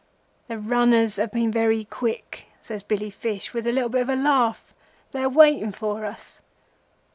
"'The runners have been very quick,' says Billy Fish, with a little bit of a laugh. 'They are waiting for us.